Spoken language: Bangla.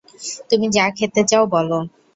তুমি যা খেতে চাও বলো।